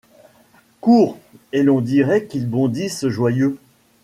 Courent, et l'on dirait qu'ils bondissent joyeux.